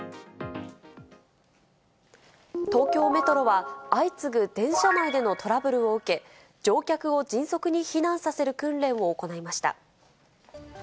東京メトロは、相次ぐ電車内でのトラブルを受け、乗客を迅速に避難させる訓練を行いました。